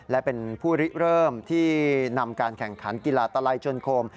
และเป็นผู้ริเริ่มที่นำการแข่งขันกีฬาตลัยจนโคม